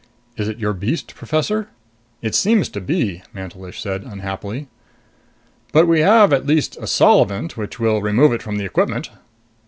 Is it your beast, Professor?" "It seems to be," Mantelish said unhappily. "But we have, at least, a solvent which will remove it from the equipment."